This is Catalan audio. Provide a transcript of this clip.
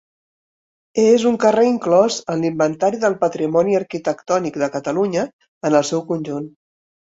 És un carrer inclòs en l'Inventari del Patrimoni Arquitectònic de Catalunya en el seu conjunt.